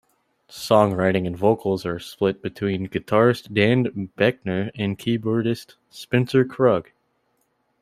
Songwriting and vocals are split between guitarist Dan Boeckner and keyboardist Spencer Krug.